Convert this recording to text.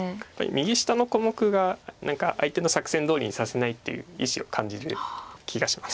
右下の小目が何か相手の作戦どおりにさせないという意思を感じる気がします。